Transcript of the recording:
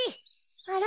あら？